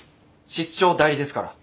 室長代理ですから。